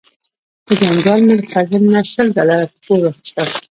په جنجال مې له فضل نه سل ډالره په پور واخیستل.